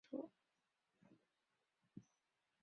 安治泰的宗座代牧职位由韩宁镐接任。